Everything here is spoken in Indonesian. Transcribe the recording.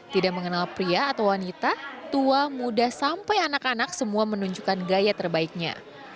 tidak mengenal pria atau wanita tua muda sampai anak anak semua menunjukkan gaya terbaiknya